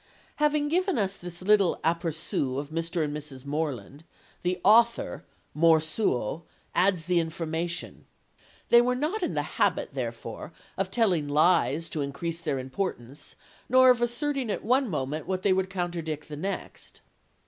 Having given us this little aperçu of Mr. and Mrs. Morland, the author, more suo, adds the information: "They were not in the habit, therefore, of telling lies to increase their importance, or of asserting at one moment what they would contradict the next."